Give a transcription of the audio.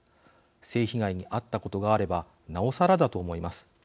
性被害に遭ったことがあればなおさらだと思います。